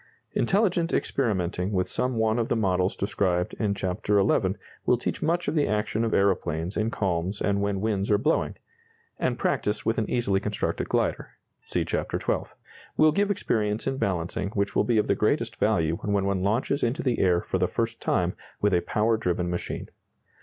Intelligent experimenting with some one of the models described in Chapter XI. will teach much of the action of aeroplanes in calms and when winds are blowing; and practice with an easily constructed glider (see Chapter XII.) will give experience in balancing which will be of the greatest value when one launches into the air for the first time with a power driven machine.